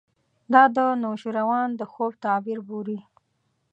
دا د نوشیروان د خوب تعبیر بولي.